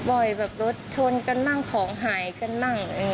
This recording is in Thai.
บ่อยแบบชนกันบ้างของหายกันบ้าง